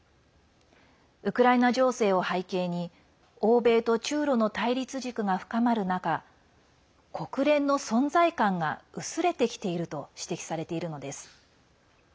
ウクライナ情勢を背景に欧米と中ロの対立軸が深まる中国連の存在感が薄れてきていると指摘されているのです。